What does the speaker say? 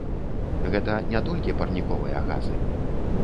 Гэта не толькі парніковыя газы.